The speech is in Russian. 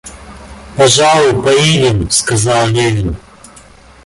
Пожалуй, поедем, — сказал Левин.